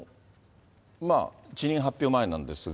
辞任発表前なんですが。